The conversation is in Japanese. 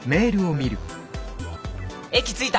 「駅着いた！